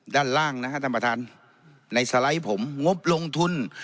ด้านล่างนะฮะท่านประธานในสไลด์ผมงบลงทุน